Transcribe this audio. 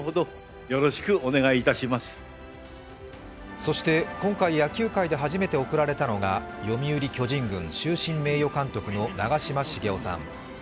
そして、今回、野球界で初めて贈られたのが読売巨人軍終身名誉監督の長嶋茂雄さん。